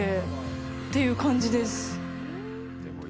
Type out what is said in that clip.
っていう感じです。